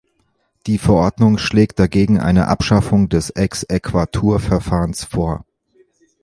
Die Verordnung schlägt dagegen eine Abschaffung des "Exequaturverfahrens" vor.